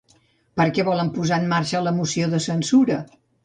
Per què volen posar en marxa la moció de censura?